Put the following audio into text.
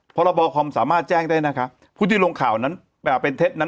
พรบคอมศ์สามารถแจ้งได้ผู้ที่ลงข่าวเป็นเท็จนั้น